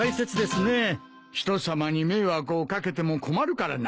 人様に迷惑を掛けても困るからな。